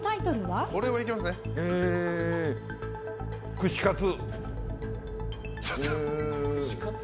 串カツ。